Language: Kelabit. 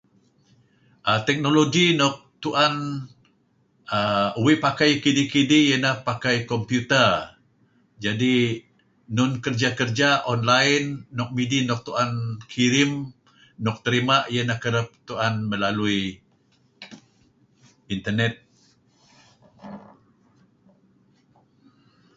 Technology nuk tu'en err uih pakai kidih=kidih iyen ineh pakai computer, enun kerja-kerja online nuk midih tu'en kirim tu'en terima' kereb tu'en melalui internet.